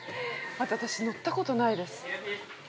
私、乗ったことないです。